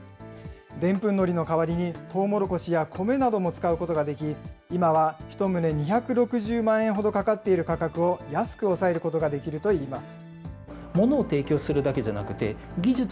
でんぷんのりの代わりに、トウモロコシや米なども使うことができ、今は１棟２６０万円ほどかかっている価格を安く抑えることができるといいます。